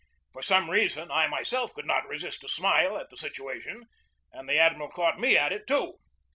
For some reason I myself could not resist a smile at the situation, and the admiral caught me at it, too.